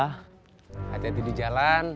hati hati di jalan